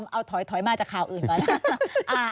เอาถอยมาจากข่าวอื่นก่อน